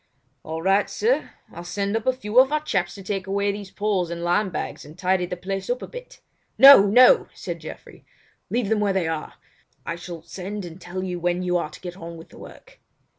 "All right sir. I'll send up a few of our chaps to take away these poles and lime bags and tidy the place up a bit." "No! No!" said Geoffrey, "leave them where they are. I shall send and tell you when you are to get on with the work."